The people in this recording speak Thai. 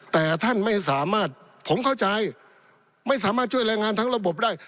แต่ท่านไม่สามารถผมเข้าใจไม่สามารถช่วยแรงงานทั้งระบบได้